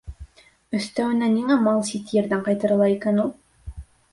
Өҫтәүенә ниңә мал сит ерҙән ҡайтарыла икән ул?